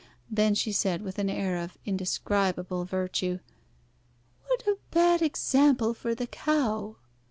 Then she said with an air of indescribable virtue "What a bad example for the cow!"